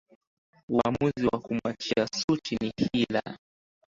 uamuzi wa kumwachia suchi ni hila